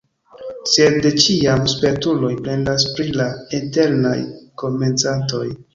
Sed de ĉiam spertuloj plendas pri la eternaj komencantoj.